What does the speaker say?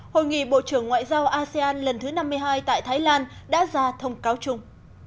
hội nghị bộ trưởng ngoại giao asean lần thứ năm mươi hai tại thái lan đã ra thông cáo chung